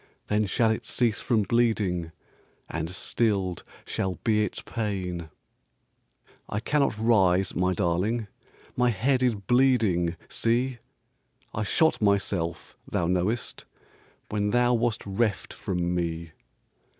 Then shall it cease from bleeding. And stilled shall be its pain." "I cannot rise, my darling, My head is bleeding see! I shot myself, thou knowest, When thou wast reft from me."